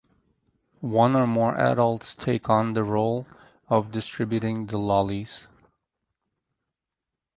One or more adults take on the role of distributing the lollies.